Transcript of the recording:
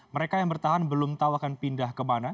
mereka yang bertahan belum tahu akan pindah kemana